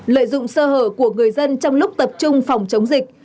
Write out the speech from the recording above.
lợi dụng sơ hở của người dân trong lúc tập trung phòng chống dịch